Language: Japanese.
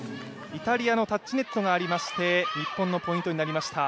イタリアのタッチネットがありまして、日本のポイントになりました。